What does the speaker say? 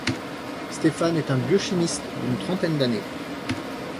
Stéphane est un biochimiste d'une trentaine d'années.